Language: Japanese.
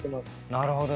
なるほど。